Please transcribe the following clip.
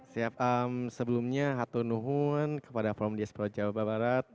siap sebelumnya hatunuhun kepada forum diaspora jawa barat